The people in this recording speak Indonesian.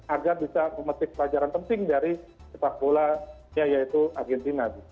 agar bisa memetik pelajaran penting dari sepak bolanya yaitu argentina